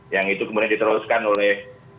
yang itu kemudian diteruskan oleh